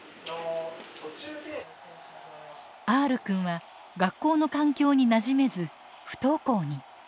Ｒくんは学校の環境になじめず不登校に。